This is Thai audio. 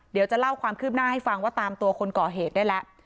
เดี๋ยวจะเล่าความคืบหน้าให้ฟังว่าตามตัวคนก่อเหตุได้แล้ว